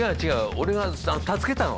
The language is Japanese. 俺が助けたの。